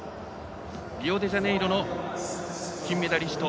リオデジャネイロの金メダリスト